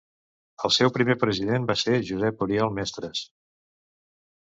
El seu primer president va ser Josep Oriol Mestres.